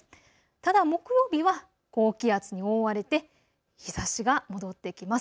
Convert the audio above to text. ただ木曜日は高気圧に覆われて日ざしが戻ってきます。